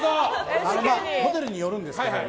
ホテルによるんですけど。